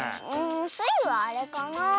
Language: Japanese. スイはあれかな。